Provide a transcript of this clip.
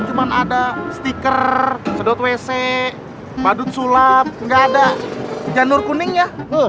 cuma ada stiker sedot wc badut sulap nggak ada janur kuningnya